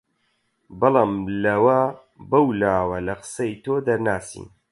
بەڵام لەوە بەولاوە لە قسەی تۆ دەرناچین